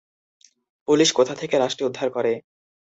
Police কোথা থেকে লাশটি উদ্ধার করে?